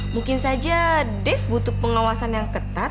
mungkin saja def butuh pengawasan yang ketat